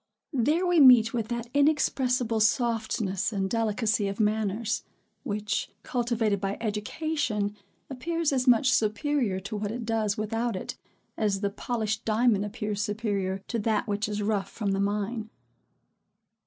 There we meet with that inexpressible softness and delicacy of manners, which, cultivated by education, appears as much superior to what it does without it, as the polished diamond appears superior to that which is rough from the mine.